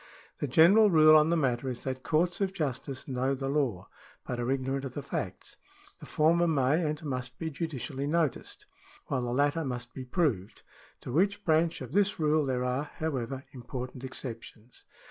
The general rule on the matter is that courts of justice know the law, but are ignorant of the facts. The former may and must be judicially noticed, while the latter must be proved. To each branch of this rule there are, however, important exceptions.